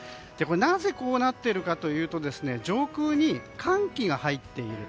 なぜ、こうなっているかというと上空に寒気が入っている。